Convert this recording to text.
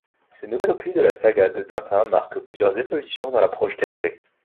Ce nouvel opus de la saga de Tintin marque plusieurs évolutions dans l'approche d'Hergé.